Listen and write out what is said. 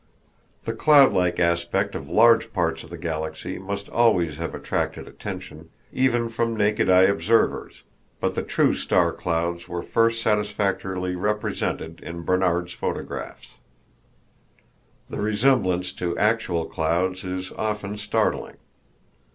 The cloud like aspect of large parts of the Galaxy must always have attracted attention, even from naked eye observers, but the true star clouds were first satisfactorily represented in Barnard's photographs. The resemblance to actual clouds is often startling.